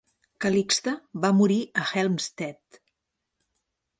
Calixte va morir a Helmstedt.